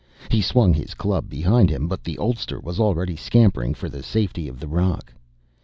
He swung his club behind him but the oldster was already scampering for the safety of the rock.